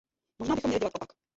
Možná bychom měli dělat opak.